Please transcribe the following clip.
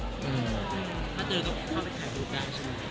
ถ้าเจอกับผมเข้าไปแล้วยูกได้มั้ย